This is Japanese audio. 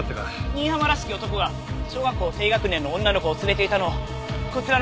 新浜らしき男が小学校低学年の女の子を連れていたのをこちらの方が。